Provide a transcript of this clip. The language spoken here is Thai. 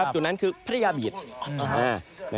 จุดนั้นคือพระยาบิตตรงนี้